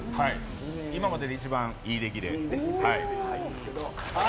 今までで一番いい出来で。